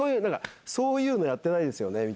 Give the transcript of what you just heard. そういうのやってないんですよね。